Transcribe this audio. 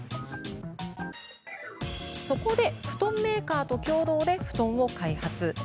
そこで、布団メーカーと共同で布団を開発。